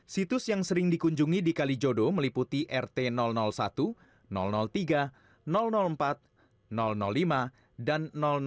situs yang sering dikunjungi di kalijodo meliputi rt satu tiga empat lima dan enam